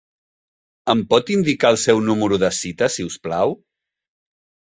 Em pot indicar el seu número de cita, si us plau?